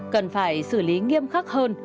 cần phải xử lý nghiêm khắc hơn